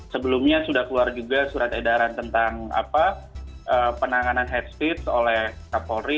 sebelumnya sudah keluar juga surat edaran tentang penanganan hate speech oleh kapolri